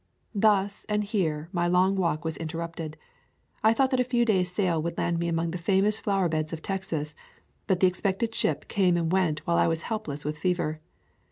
Thus and here my long walk was interrupted. I thought that a few days' sail would land me among the famous flower beds of Texas. But the expected ship came and went while I was helpless with fever.